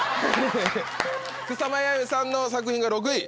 草間彌生さんの作品が６位。